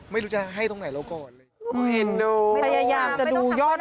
ไม่รู้จะให้ตรงไหนเราก่อน